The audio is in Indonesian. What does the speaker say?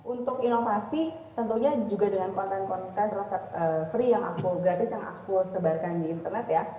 untuk inovasi tentunya juga dengan konten konten free yang aku gratis yang aku sebelumnya